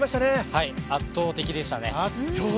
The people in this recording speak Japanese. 圧倒的でしたね。